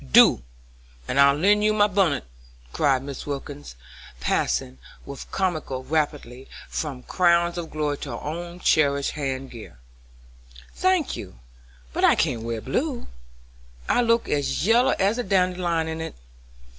"Do, and I'll lend you my bunnit," cried Mrs. Wilkins, passing, with comical rapidity, from crowns of glory to her own cherished head gear. "Thank you, but I can't wear blue, I look as yellow as a dandelion in it.